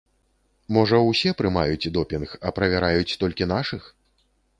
Можа, усе прымаюць допінг, а правяраюць толькі нашых?